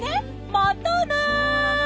またね！